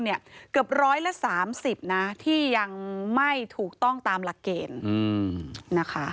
เกือบร้อยละ๓๐นะที่ยังไม่ถูกต้องตามหลักเกณฑ์นะคะ